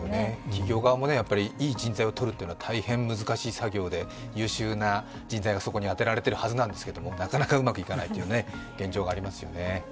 企業側もいい人材を採るというのは難しい作業で、優秀な人材がそこにあてられているはずなんですけど、なかなかうまくいかないという現状がありますよね。